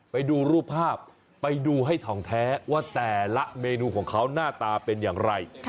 ไปดูรูปภาพไปดูให้ถ่องแท้ว่าแต่ละเมนูของเขาหน้าตาเป็นอย่างไร